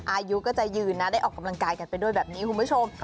อายุก็จะยืนนะได้ออกกำลังกายกันไปด้วยแบบนี้คุณผู้ชม